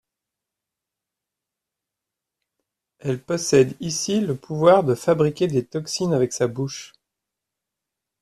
Elle possède ici le pouvoir de fabriquer des toxines avec sa bouche.